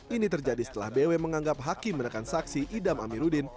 ini terjadi setelah bw menganggap hakim menekan saksi idam amiruddin